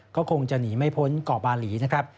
ก็คงจะหนีไม่พ้นเกาะบาหลีนะครับ